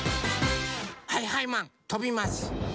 はいはいマンとびます。